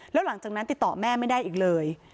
แล้วหลังจากนั้นติดต่อแม่ไม่ได้อีกเลย